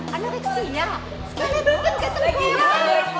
hati hati lu tuh